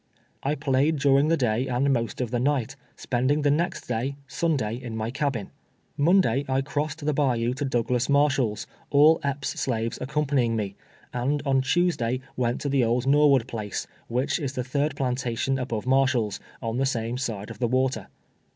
I played during the day and most of the night, spend ing the next day, Sunday, in my cabin. Monday I crossed the bayou to Douglas Marshall's, all Epps' slaves accompanying me, and on Tuesday .went to the old iSTorwood place, which is the third plantation above Marshall's, on the same side of the water.